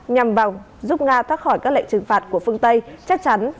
nhằm giúp nga thoát khỏi các lệnh trừng phạt của phương tây chắc chắn sẽ dẫn đến hậu quả